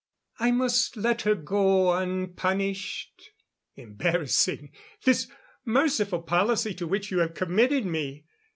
"I must let her go unpunished? Embarrassing, this merciful policy to which you have committed me!